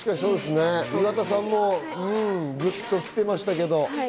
岩田さんもグッときてましたけど。